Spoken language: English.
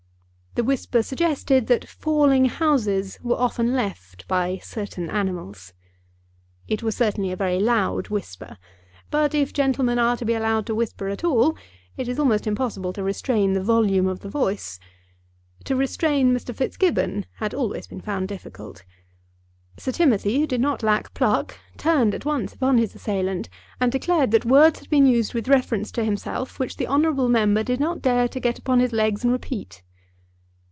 The whisper suggested that falling houses were often left by certain animals. It was certainly a very loud whisper, but, if gentlemen are to be allowed to whisper at all, it is almost impossible to restrain the volume of the voice. To restrain Mr. Fitzgibbon had always been found difficult. Sir Timothy, who did not lack pluck, turned at once upon his assailant, and declared that words had been used with reference to himself which the honourable member did not dare to get upon his legs and repeat.